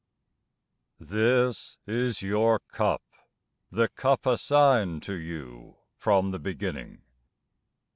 This is your cup â ^the cup assigned to you From the beginning.